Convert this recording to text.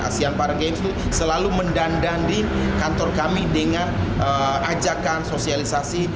asean para games itu selalu mendandani kantor kami dengan ajakan sosialisasi